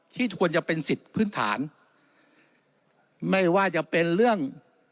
ควรจะเป็นสิทธิ์พื้นฐานไม่ว่าจะเป็นเรื่อง